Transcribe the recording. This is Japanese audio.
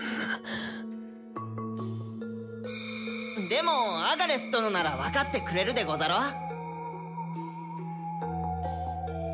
でもアガレス殿なら分かってくれるでござろう？